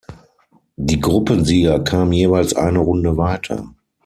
Die Gruppensieger kamen jeweils eine Runde weiter.